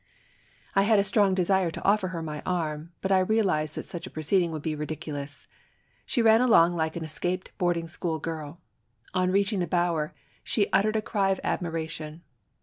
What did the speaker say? I had a strong desire to offer her my arm, but I real ized that such a proceeding would be ridiculous. She ran along like an escaped boarding school girl. On reaching the bower, she uttered a cry of admiration.